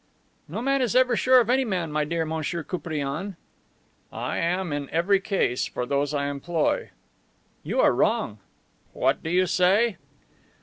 "No man is ever sure of any man, my dear Monsieur Koupriane." "I am, in every case, for those I employ." "You are wrong." "What do you say?"